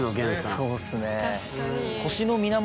そうですね。